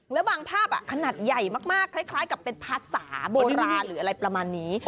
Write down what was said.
แล้วบางภาพขนาดใหญ่มากคล้ายกับเป็นภาษาโบราณหรืออะไรประมาณนี้